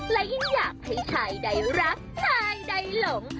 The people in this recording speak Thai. และยิ่งอยากให้ชายใดรักชายใดหลง